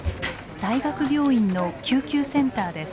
大学病院の救急センターです。